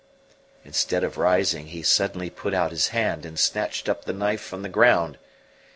Instead of rising he suddenly put out his hand and snatched up the knife from the ground.